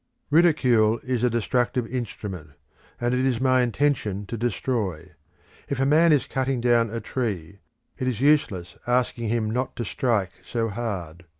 Ridicule is a destructive instrument, and it is my intention to destroy. If a man is cutting down a tree, it is useless asking him not to strike so hard.